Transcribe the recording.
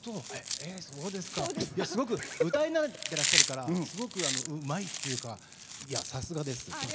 すごく歌い慣れてらっしゃるからすごくうまいというかさすがです。